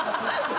はい。